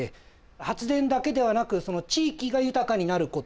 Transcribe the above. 発電だけではなくその地域が豊かになること。